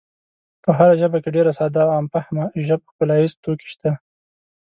په هره ژبه کې ډېر ساده او عام فهمه ژب ښکلاییز توکي شته.